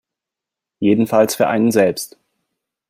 Jedenfalls für einen selbst.